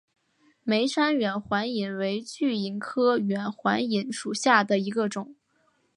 梅山远环蚓为巨蚓科远环蚓属下的一个种。